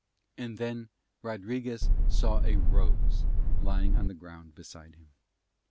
And then Rodriguez saw a rose lying on the ground beside him.